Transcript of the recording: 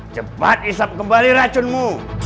cepat isap kembali racunmu